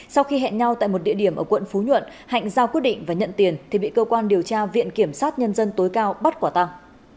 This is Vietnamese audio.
sau khi hẹn nhau tại một địa điểm ở quận phú nhuận hạnh giao quyết định và nhận tiền thì bị cơ quan điều tra viện kiểm sát nhân dân tối cao bắt quả tăng